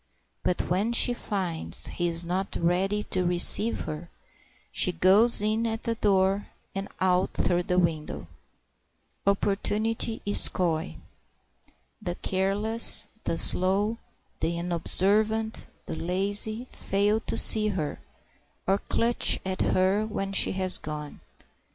But when she finds he is not ready to receive her, she goes in at the door and out through the window." Opportunity is coy. The careless, the slow, the unobservant, the lazy fail to see her, or clutch at her when she has gone.